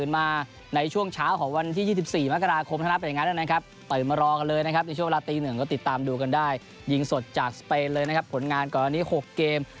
มันแน่นอนครับสวัสดีครับ